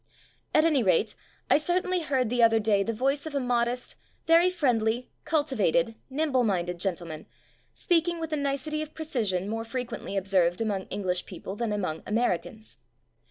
At any rate, I cer tainly heard the other day the voice of a modest, very friendly, cultivated, nimble minded gentleman, speaking with the nicety of precision more fre quently observed among English peo ple than among Americans.